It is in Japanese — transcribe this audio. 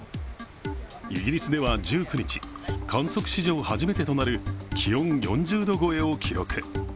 イギリスでは１９日、観測史上初めてとなる気温４０度超えを記録。